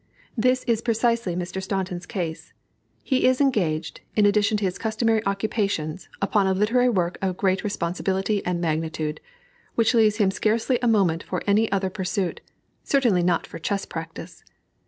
This is precisely Mr. Staunton's case. He is engaged, in addition to his customary occupations, upon a literary work of great responsibility and magnitude, which leaves him scarcely a moment for any other pursuit; certainly not for chess practice.